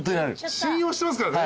信用してますからね。